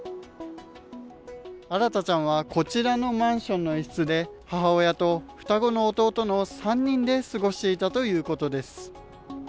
新大ちゃんはこちらのマンションの一室で、母親と双子の弟の３人で過ごしていたということです。